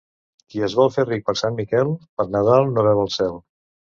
Qui es vol fer ric per Sant Miquel, per Nadal no veu el cel.